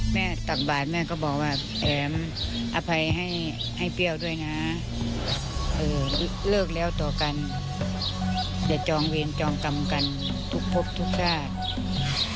แม่ตักบาลแม่ก็บอกว่าแอ๋มอภัยให้เบี้ยวด้วยนะเลิกแล้วต่อกันจะจองเวรจองกำกันพบทุกชาติ